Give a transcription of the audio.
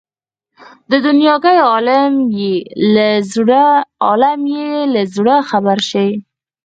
د دنیاګۍ عالم یې له زړه خبر شي.